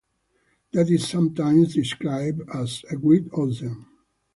that is sometimes described as a great ocean.